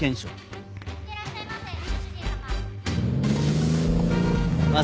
いってらっしゃいませご主人様。